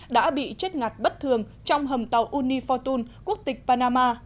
đã bị chết ngạt bất thường trong hầm tàu unifortun quốc tịch panama